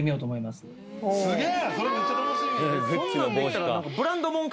すげえ。